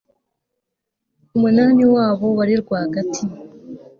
umunani wabo wari rwagati